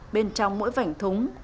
bên trong mỗi vảnh thống